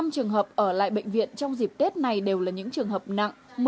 năm mươi năm trường hợp ở lại bệnh viện trong dịp tết này đều là những trường hợp nặng